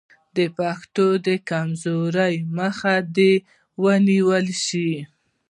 د پښتو د کمزورۍ مخه دې ونیول شي.